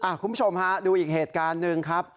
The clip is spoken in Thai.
คุณผู้ชมฮะดูอีกเหตุการณ์หนึ่งครับ